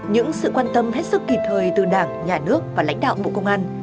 những sự quan tâm hết sức kịp thời từ đảng nhà nước và lãnh đạo bộ công an